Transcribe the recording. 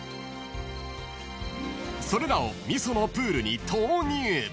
［それらを味噌のプールに投入］